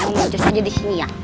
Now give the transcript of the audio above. nggak usah di sini ya